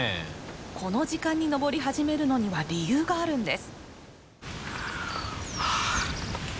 この時間に登り始めるのには理由があるんです。